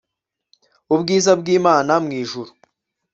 ubwiza bw'imana mu ijuru